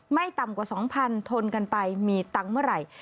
ไม่ต่ำกว่า๒๐๐ทนกันไปมีตังค์เมื่อไหร่